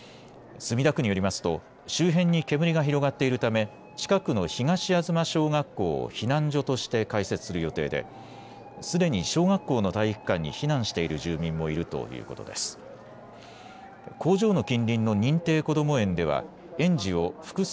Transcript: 墨田区によりますと周辺に煙が広がっているため近くの東吾嬬小学校を避難所として開設する予定ですでに小学校の体育館に避難している住民もいるということです。